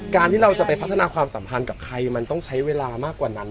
การที่เราจะไปพัฒนาความสัมพันธ์กับใครมันต้องใช้เวลามากกว่านั้น